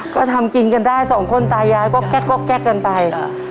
ก็ทำกินกันได้สองคนตายายก็แก๊กกันไป